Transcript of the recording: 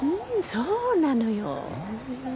そうなのよ。